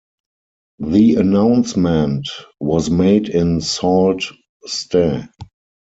The announcement was made in Sault Ste.